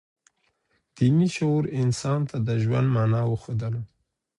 دیني شعور انسان ته د ژوند مانا وښودله.